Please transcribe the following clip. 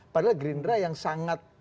padahal grindra yang sangat